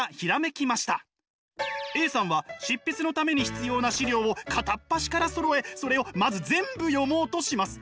Ａさんは執筆のために必要な資料を片っ端からそろえそれをまず全部読もうとします。